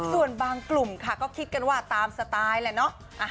ส่วนบางกลุ่มค่ะก็คิดกันว่าตามสไตล์แหละเนาะ